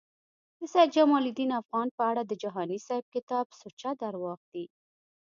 د سید جمالدین افغان په اړه د جهانی صیب کتاب سوچه درواغ دی